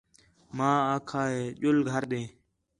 ماں آکھا ہِے ڄُل گھر ݙے